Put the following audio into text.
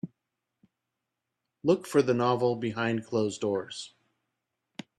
Look for the novel Behind closed doors